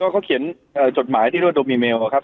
เขาเขียนจดหมายที่เรียกว่าโดมิเมลครับ